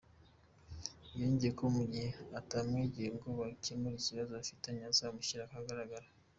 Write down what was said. Yongeye ko mu gihe atamwegera ngo bakemure ikibazo bafitanye azamushyira ahagaragara.